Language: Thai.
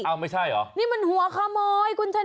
ไม่ใช่เหรอนี่มันหัวขโมยคุณชนะ